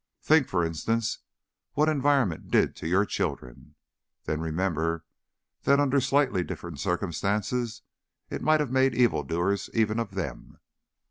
Think, for instance, what environment did to your children, then remember that under slightly different circumstances it might have made evildoers even of them.